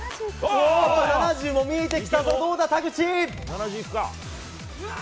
７０も見えてきたぞ、どうだ？